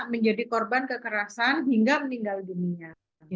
menjadi korban kekerasan hingga meninggal dunia